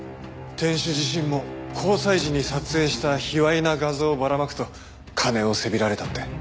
店主自身も交際時に撮影した卑猥な画像をばらまくと金をせびられたって。